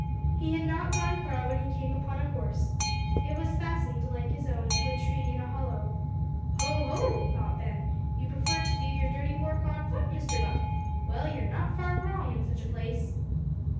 He had not gone far when he came upon a horse. It was fastened, like his own, to a tree in a hollow. "Ho! ho!" thought Ben, "you prefer to do yer dirty work on foot, Mr Buck! Well, you're not far wrong in such a place."